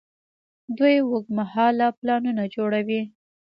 دوی اوږدمهاله پلانونه جوړوي.